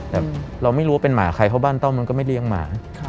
แต่เราไม่รู้ว่าเป็นหมาใครเพราะบ้านต้อมมันก็ไม่เลี้ยงหมา